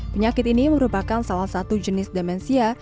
penyakit ini merupakan salah satu jenis demensia